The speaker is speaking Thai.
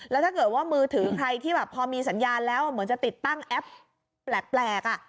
แล้วถ้าเกิดว่ามือถือใครที่แบบพอมีสัญญาณแล้วเหมือนจะติดตั้งแอปแปลก